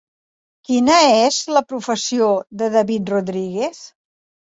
Quina és la professió de David Rodríguez?